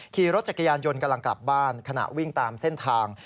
ขี่รถจักรยานยนต์กำลังกลับบ้านขณะวิ่งตามเส้นทาง